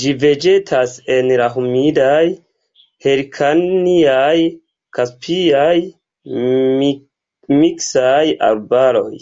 Ĝi vegetas en la humidaj hirkaniaj-kaspiaj miksaj arbaroj.